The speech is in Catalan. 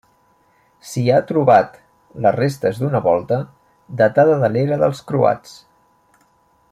S'hi ha trobat les restes d'una volta, datada de l'era dels croats.